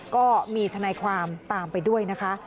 ก็มีทนายความตามไปด้วยนะคะ